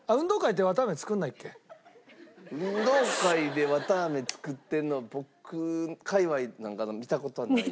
運動会でわたあめ作ってるの僕界隈なんか見た事はない。